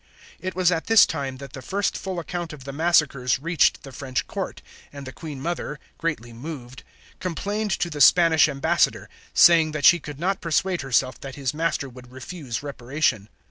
It was at this time that the first full account of the massacres reached the French court, and the Queen Mother, greatly moved, complained to the Spanish ambassador, saying that she could not persuade herself that his master would refuse reparation.